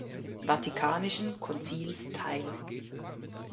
Vatikanischen Konzils teil.